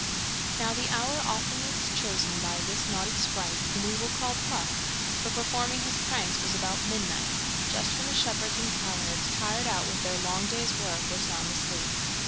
Now the hour oftenest chosen by this naughty sprite (whom we will call Puck) for performing his pranks was about midnight, just when the shepherds and cowherds, tired out with their long day's work, were sound asleep.